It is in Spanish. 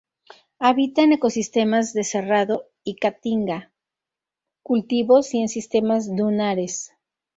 Habita en ecosistemas de cerrado y caatinga, cultivos y en sistemas dunares.